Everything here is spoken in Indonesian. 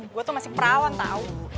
gue tuh masih perawan tau